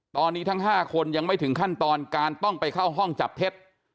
ตอนนี้ทั้ง๕คนยังไม่ถึงขั้นตอนการต้องไปเข้าห้องจับเท็จ